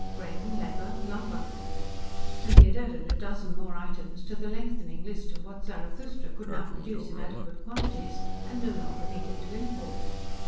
Grain, leather, lumber. And he had added a dozen more items to the lengthening list of what Zarathustra could now produce in adequate quantities and no longer needed to import.